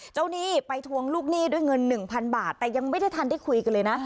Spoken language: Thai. หนี้ไปทวงลูกหนี้ด้วยเงิน๑๐๐บาทแต่ยังไม่ได้ทันได้คุยกันเลยนะ